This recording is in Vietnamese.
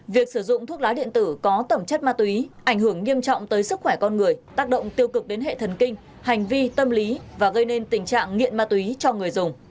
việc sử dụng thuốc lá điện tử có tẩm chất ma túy ảnh hưởng nghiêm trọng tới sức khỏe con người tác động tiêu cực đến hệ thần kinh hành vi tâm lý và gây nên tình trạng nghiện ma túy cho người dùng